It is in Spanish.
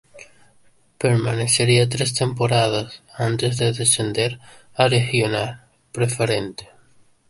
Permanecería tres temporadas antes de descender a Regional Preferente.